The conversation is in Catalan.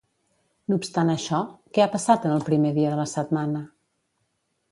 No obstant això, què ha passat en el primer dia de la setmana?